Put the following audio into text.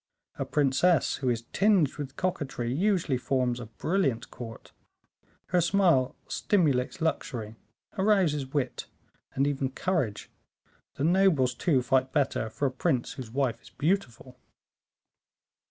A princess who is tinged with coquetry usually forms a brilliant court; her smile stimulates luxury, arouses wit, and even courage; the nobles, too, fight better for a prince whose wife is beautiful."